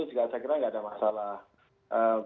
juga saya kira tidak ada masalah